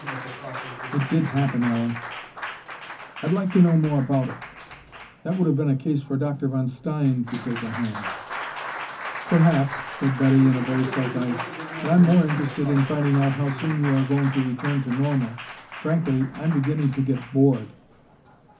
"It did happen, Allen!" "I'd like to know more about it. That would have been a case for Dr. von Stein to take in hand." "Perhaps," said Betty, in a voice like ice. "But I'm more interested in finding out how soon you are going to return to normal. Frankly, I'm beginning to get bored."